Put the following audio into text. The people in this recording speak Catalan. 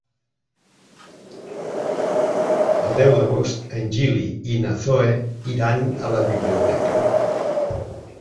El deu d'agost en Gil i na Zoè iran a la biblioteca.